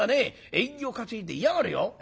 縁起を担いで嫌がるよ。